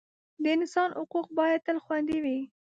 د انسان حقوق باید تل خوندي وي.